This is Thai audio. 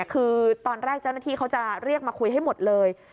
คือตอนแรกเจ้าหน้าที่เขาจะเรียกมาคุยให้หมดเลย